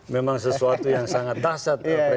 memang sesuatu yang sangat dasar ya